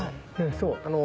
そう。